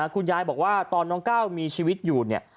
คุณยายบอกว่าตอนน้องก้าวมีชีวิตอยู่เนี่ย